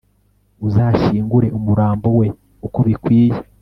uzashyingure umurambo we uko bikwiye